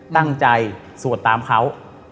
ตั้งใจสวดตามเขา